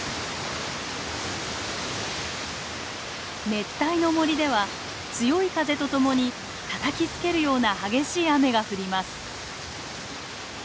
熱帯の森では強い風とともにたたきつけるような激しい雨が降ります。